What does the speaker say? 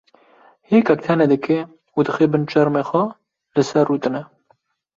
hêkek tenê dike û dixe bin çermê xwe li ser rûdine.